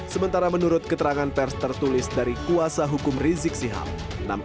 sementara menurut keterangan pers tertulis dari kuasa hukum rizik sihab